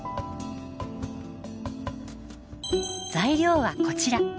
材料はこちら。